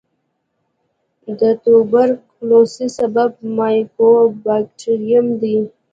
د توبرکلوس سبب مایکوبیکټریم دی.